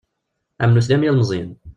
Am nutni am yilmeẓyen.